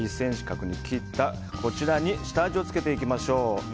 １ｃｍ角に切ったこちらに下味をつけていきましょう。